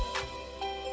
masih dipercayai yang besar